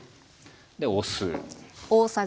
でお酢。